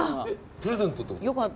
プレゼントってことですか？